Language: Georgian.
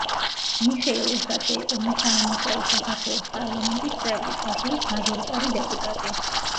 მიხეილ ოსაძე იყო მესამე მოწვევის საქართველოს პარლამენტის წევრი, ხაშურის მაჟორიტარი დეპუტატი.